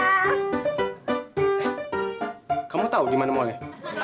eh kamu tau dimana mallnya